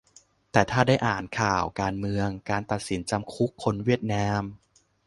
แต่ถ้าได้อ่านข่าวการเมือง การตัดสินจำคุกคนเวียดนาม